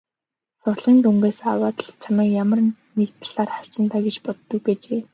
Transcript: Сурлагын дүнгээс аваад л намайг ямар нэг талаар хавчина даа гэж боддог байжээ.